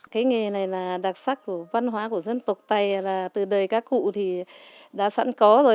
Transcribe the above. cái nghề này là đặc sắc của văn hóa của dân tộc tày là từ đời các cụ thì đã sẵn có rồi